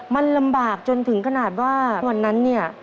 มันลำบากจนถึงขนาดว่าวันนั้นเนี่ย